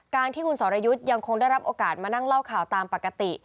ที่คุณสรยุทธ์ยังคงได้รับโอกาสมานั่งเล่าข่าวตามปกติ